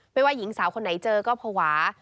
ไม่ว่าหญิงสาวคนไหนเจอก็พวา